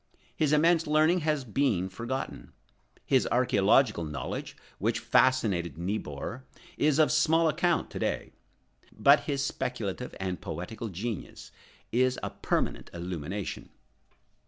His immense learning has been forgotten. His archæological knowledge, which fascinated Niebuhr, is of small account to day. But his speculative and poetical genius is a permanent illumination.